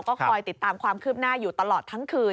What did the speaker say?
ก็คอยติดตามความคืบหน้าอยู่ตลอดทั้งคืน